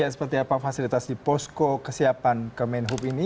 seperti apa fasilitas di posko kesiapan kemenhub ini